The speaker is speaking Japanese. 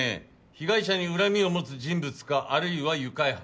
被害者に恨みを持つ人物かあるいは愉快犯。